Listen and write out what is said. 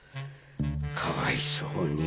かわいそうに。